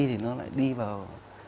thì nó lại đi vào